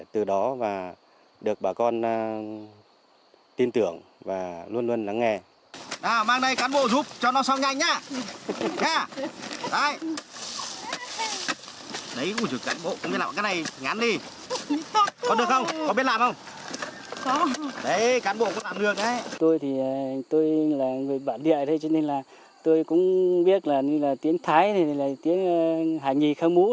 tôi thì tôi là người bản địa thế cho nên là tôi cũng biết là như là tiếng thái tiếng hà nhi khang mũ